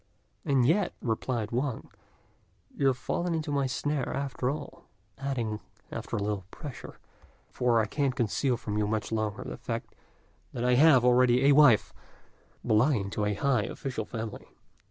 "And yet," replied Wang, "you have fallen into my snare after all;" adding, after a little pressure, "for I can't conceal from you much longer the fact that I have already a wife, belonging to a high official family."